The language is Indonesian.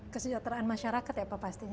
kesejahteraan masyarakat ya pak pastinya